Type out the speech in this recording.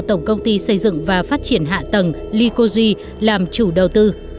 tổng công ty xây dựng và phát triển hạ tầng likogi làm chủ đầu tư